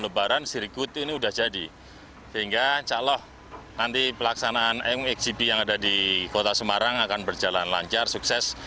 lebaran sirkuit ini sudah jadi sehingga insya allah nanti pelaksanaan muxgb yang ada di kota semarang akan berjalan lancar sukses